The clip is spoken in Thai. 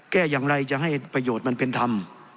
แก้อย่างไรจะให้ประโยชน์มันเป็นธรรม